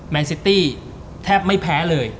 มันเซตตี้แทบไม่แพ้เลย